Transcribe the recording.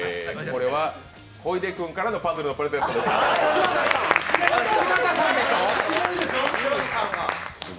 これは小出君からのパズルのプレゼントです。